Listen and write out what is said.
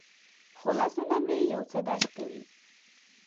خو لاسونه مې یو څه درد کوي.